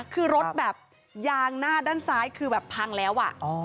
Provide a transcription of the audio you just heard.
คือรถแบบยางหน้าด้านซ้ายคือแบบพังแล้ว